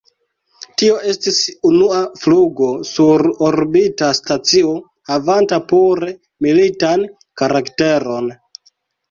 Tio estis unua flugo sur orbita stacio, havanta pure militan karakteron.